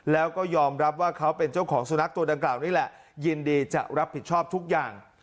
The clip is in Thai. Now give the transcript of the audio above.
แล้วก็ยอมรับว่าเขาเป็นเจ้าของสุนัขตัวดังกล่าวนี่แหละยินดีจะรับผิดชอบทุกอย่าง